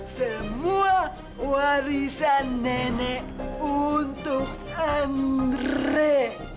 semua warisan nenek untuk amre